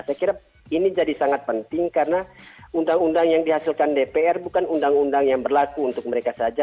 saya kira ini jadi sangat penting karena undang undang yang dihasilkan dpr bukan undang undang yang berlaku untuk mereka saja